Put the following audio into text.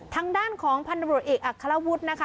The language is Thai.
ทางด้านของพันธุ์บริษัทอักคาระวุฒินะคะ